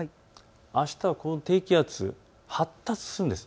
あしたは低気圧、発達するんです。